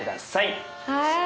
はい。